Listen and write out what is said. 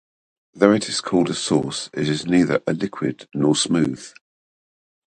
Though it is called a sauce, it is neither a liquid nor smooth.